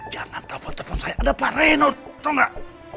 jangan telepon telepon saya ada pak reno tau gak